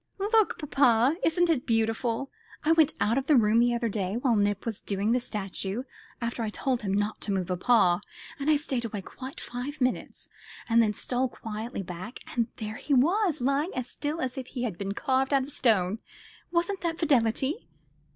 "Look, papa! isn't it beautiful? I went out of the room the other day, while Nip was doing the statue, after I'd told him not to move a paw, and I stayed away quite five minutes, and then stole quietly back; and there he was, lying as still as if he'd been carved out of stone. Wasn't that fidelity?"